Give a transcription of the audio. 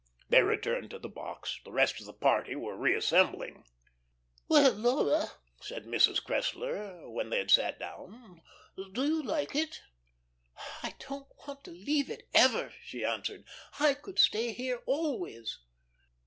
They returned to the box. The rest of the party were reassembling. "Well, Laura," said Mrs. Cressler, when they had sat down, "do you like it?" "I don't want to leave it ever," she answered. "I could stay here always."